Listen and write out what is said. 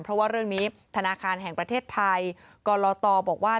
เพราะว่าเรื่องนี้ธนาคารแห่งประเทศไทยกรตบอกว่า